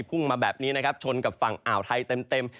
พุ่งมาแบบนี้นะครับชนกับฝั่งอ่าวไทยเต็ม